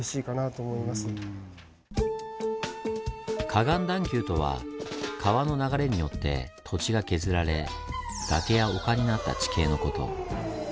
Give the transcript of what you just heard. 河岸段丘とは川の流れによって土地が削られ崖や丘になった地形のこと。